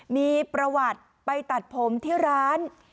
มีประวัติไปตัดผมที่ร้าน